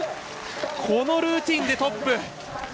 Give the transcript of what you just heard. このルーティンでトップ！